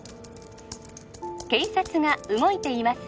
警察が動いています